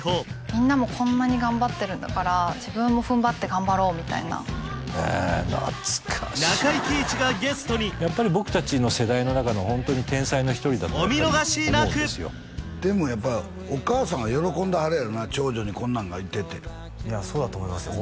みんなもこんなに頑張ってるんだから自分も踏ん張って頑張ろうみたいな中井貴一がゲストにやっぱり僕達の世代の中のホントに天才の一人だとお見逃しなくでもやっぱお母さんは喜んではるやろな長女にこんなんがいてていやそうだと思いますよ